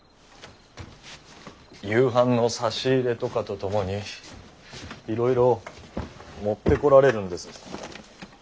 夕飯の差し入れとかと共にいろいろ持ってこられるんです。